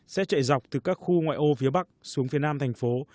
sẽ chạy dọc từ các khu ngoại ô phía bắc xuống phía nam thành phố